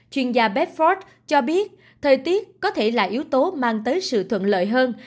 chuyên gia bedford cho biết thời tiết có thể là yếu tố mang tới sự thuận lợi hơn